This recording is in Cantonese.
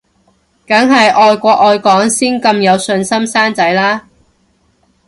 梗係愛國愛港先咁有信心生仔啦